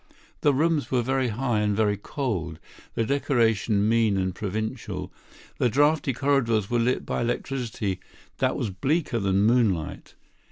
The rooms were very high and very cold; the decoration mean and provincial; the draughty corridors were lit by electricity that was bleaker than moonlight.